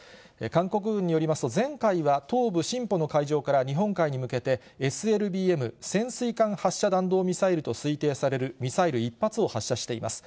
韓国軍によりますと、前回は東部シンポの海上から日本海に向けて、ＳＬＢＭ・潜水艦発射弾道ミサイルと推定されるミサイル１発を発射しています。